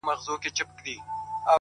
پوهه د شک پر ځای یقین پیاوړی کوي،